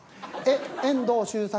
遠藤周作